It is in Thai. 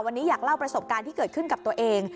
วันนี้อยากเล่าประสบการณ์ที่เกิดขึ้นกับตัวเอง